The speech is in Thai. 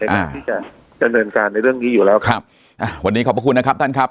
สุดนัดที่จะเฉินกันเรื่องนี้อยู่แล้วครับครับวันนี้ขอบพระคุณนะครับ